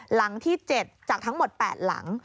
หลังที่๗จากทั้งหมด๘หลัง